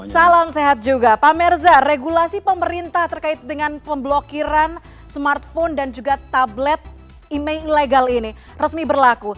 salam sehat juga pak merza regulasi pemerintah terkait dengan pemblokiran smartphone dan juga tablet email ilegal ini resmi berlaku